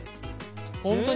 本当に？